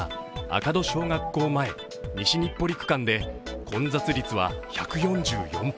赤土小学校前−西日暮里区間で混雑率は１４４％。